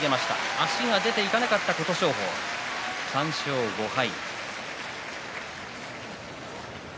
足が出ていかなかった琴勝峰は３勝５敗。